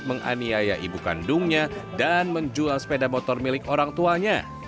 dia mencuri sepeda motor yang ada di dalam kandungnya dan menjual sepeda motor milik orang tuanya